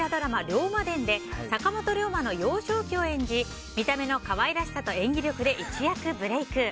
「龍馬伝」で坂本龍馬の幼少期を演じ見た目の可愛らしさと演技力で一躍ブレーク。